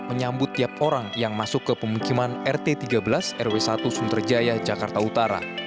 menyambut tiap orang yang masuk ke pemukiman rt tiga belas rw satu sunterjaya jakarta utara